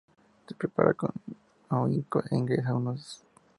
Se prepara con ahínco e ingresa nos dice.